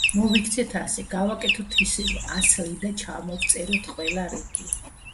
მოვიქცეთ ასე: გავაკეთოთ ისევ ასლი და ჩამოვწეროთ ყველა რიგი.